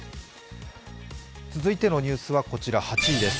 続いてのニュースは８位です。